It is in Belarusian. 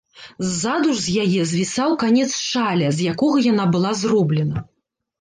Ззаду ж з яе звісаў канец шаля, з якога яна была зроблена.